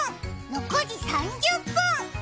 ６時３０分！